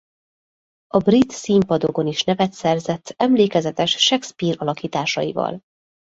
A brit színpadokon is nevet szerzett emlékezetes Shakespeare-alakításaival.